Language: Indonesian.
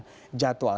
sesuai dengan jadwal